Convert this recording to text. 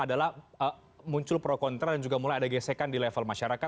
adalah muncul pro kontra dan juga mulai ada gesekan di level masyarakat